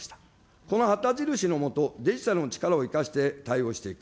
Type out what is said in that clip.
この旗印の下、デジタルの力を生かして対応していく。